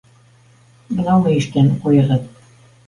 —Бынау мөйөштән ҡуйығыҙ!